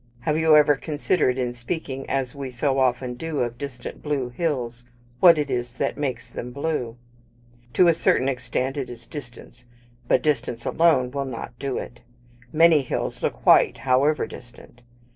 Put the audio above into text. Have you ever considered, in speaking as we do so often of distant blue hills, what it is that makes them blue? To a certain extent it is distance; but distance alone will not do it. Many hills look white, however distant.